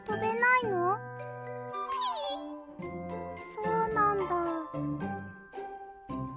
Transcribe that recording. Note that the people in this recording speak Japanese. そうなんだ。